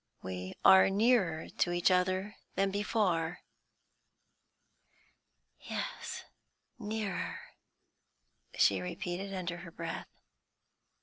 we are nearer to each other than before." "Yes, nearer," she repeated, under her breath.